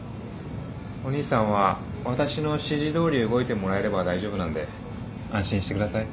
おにいさんは私の指示どおり動いてもらえれば大丈夫なんで安心して下さい。